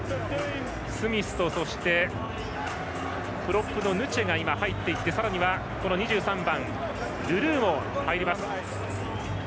スミスとプロップのヌチェが入っていってさらには、２３番ルルーも入ります。